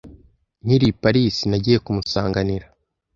Nkiri i Paris, nagiye kumusanganira.